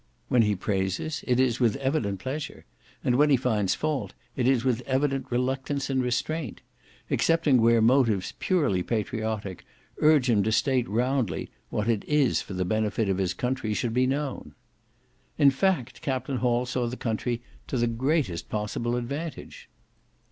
When he praises, it is with evident pleasure, and when he finds fault, it is with evident reluctance and restraint, excepting where motives purely patriotic urge him to state roundly what it is for the benefit of his country should be known. In fact, Captain Hall saw the country to the greatest possible advantage.